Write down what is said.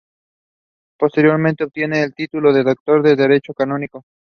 Posteriormente obtiene el título de Doctor en Derecho canónico.